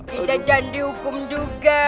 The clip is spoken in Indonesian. kita jangan dihukum juga